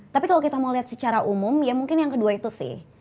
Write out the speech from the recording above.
tapi kalau kita mau lihat secara umum ya mungkin yang kedua itu sih